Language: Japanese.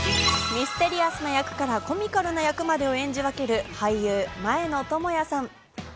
ミステリアスな役からコミカルな役までを演じ分ける俳優・前野朋哉さん。